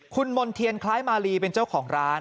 คุณมณ์เทียนคล้ายมาลีเป็นเจ้าของร้าน